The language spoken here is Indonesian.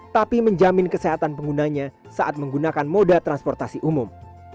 tapi menjamin kesehatan penggunanya saat menggunakan moda transportasi umum